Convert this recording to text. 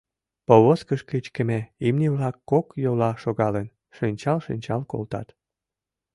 Повозкыш кычкыме имне-влак, кок йола шогалын, шинчал-шинчал колтат.